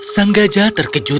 sang gajah terkejut melihatnya